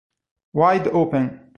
Wide Open